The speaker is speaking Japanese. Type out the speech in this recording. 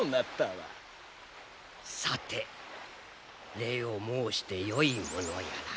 さて礼を申してよいものやら。